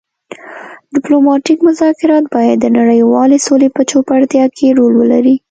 ډیپلوماتیک مذاکرات باید د نړیوالې سولې په پیاوړتیا کې رول ولري